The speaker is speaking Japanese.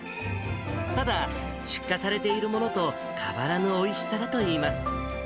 ただ、出荷されているものと変わらぬおいしさだといいます。